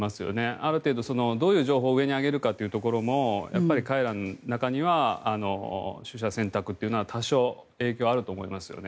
ある程度、どういう情報を上に上げるかも彼らの中には取捨選択は多少影響があると思いますね。